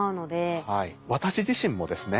私自身もですね